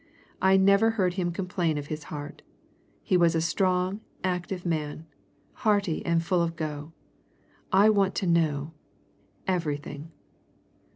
"I never heard him complain of his heart. He was a strong, active man hearty and full of go. I want to know everything."